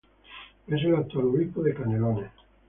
Es el actual obispo de Canelones.